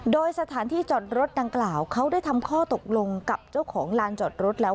โดยสถานที่จอดรถดังกล่าวเขาได้ทำข้อตกลงกับเจ้าของลานจอดรถแล้ว